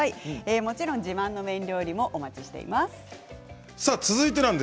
もちろん自慢の麺料理もお待ちしています。